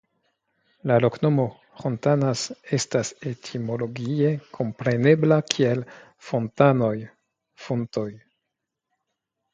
La loknomo "Hontanas" estas etimologie komprenebla kiel "Fontanoj" (fontoj).